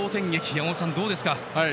山本さん、どうですか。